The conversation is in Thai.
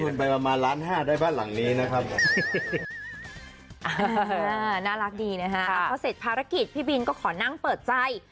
น่ารักดีนะฮะพอเสร็จภารกิจพี่บินก็ขอนั่งเปิดใจ